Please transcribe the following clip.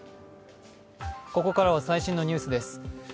ここからは最新のニュースです。